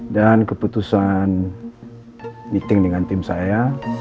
dan keputusan meeting dengan tim saya